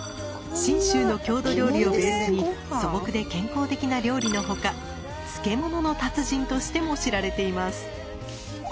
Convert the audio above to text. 信州の郷土料理をベースに素朴で健康的な料理の他つけものの達人としても知られています。